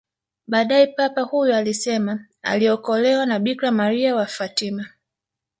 Baadae Papa huyo alisema aliokolewa na Bikira Maria wa Fatima